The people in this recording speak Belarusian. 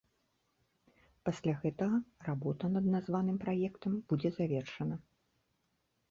Пасля гэтага работа над названым праектам будзе завершана.